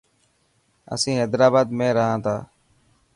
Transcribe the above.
اسين حيدرآباد ۾ رهان ٿا.